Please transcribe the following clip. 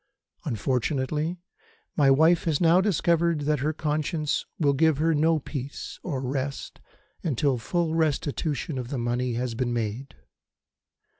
Unfortunately, my wife has now discovered that her conscience will give her no peace or rest until full restitution of the money has been made.